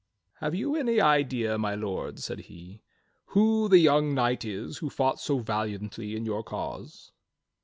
"Have you any idea, my Lord," said he, "who the young knight is who fought so valiantly in your cause?"